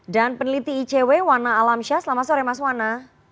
dan peneliti icw wana alamsyah selamat sore mas wana